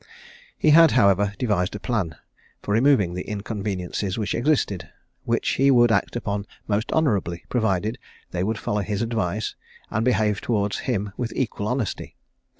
He had, however, devised a plan for removing the inconveniences which existed, which he would act upon most honourably, provided they would follow his advice, and behave towards him with equal honesty.